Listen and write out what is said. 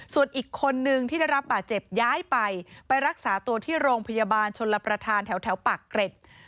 ส่วนอีกคนนึงที่ได้รับบาดเจ็บย้ายไปไปรักษาตัวที่โรงพยาบาลชนลประธานแถวปากเกร็ด